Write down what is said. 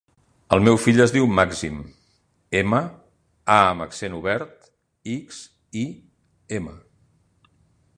El meu fill es diu Màxim: ema, a amb accent obert, ics, i, ema.